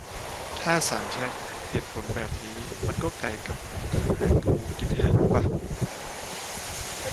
ถ้าศาลใช้เหตุผลแบบนี้ มันก็ไก่กับไข่งูกินหางปะ